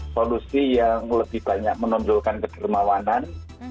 solusi yang lebih banyak menonjolkan kedermawanan